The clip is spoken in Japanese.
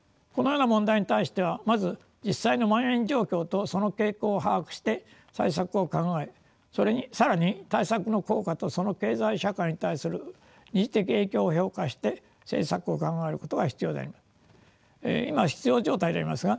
このような問題に対してはまず実際のまん延状況とその傾向を把握して対策を考え更に対策の効果とその経済・社会に対する二次的影響を評価して政策を考えることが必要であります。